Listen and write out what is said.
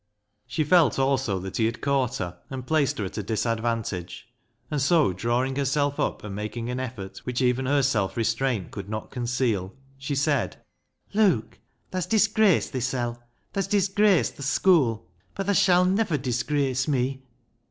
She felt also that he had caught her, and placed her at a disadvantage, and so, drawing herself up and making an effort, which even her self restraint could not conceal, she said —" Luke, tha's disgraced thisel' ; tha's disgraced th' schoo', but tha shall never disgrace me."